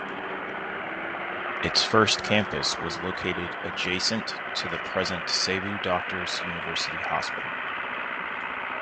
Its first campus was located adjacent to the present Cebu Doctors' University Hospital.